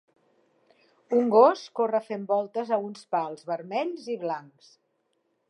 Un gos corre fent voltes a uns pals vermells i blancs.